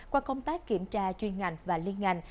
qua công tác kiểm tra chuyên ngành và liên ngành